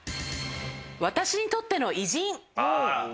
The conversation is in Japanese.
「私にとっての偉人」。